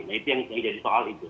nah itu yang jadi soal itu